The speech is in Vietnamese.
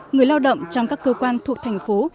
người lao động trong các cơ quan thuộc thành phố